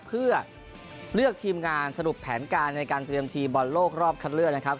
เพื่อเลือกทีมงานสรุปแผนการในการเตรียมทีมบอลโลกรอบคัดเลือกนะครับ